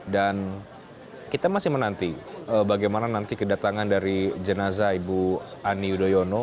dan kita masih menanti bagaimana nanti kedatangan dari jenazah ibu ani yudhoyono